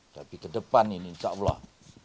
tapi kedepan ini insyaallah